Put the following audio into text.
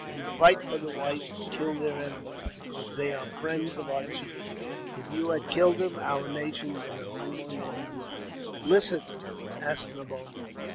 We fight for the whites, and kill their enemies, because they are friends of our chief. If you had killed him, our nation would have mourned in blood. "Listen, As ne boines!